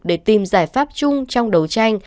để tìm giải pháp chung trong đấu tranh